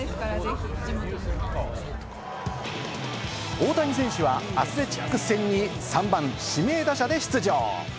大谷選手はアスレチックス戦に３番、指名打者で出場。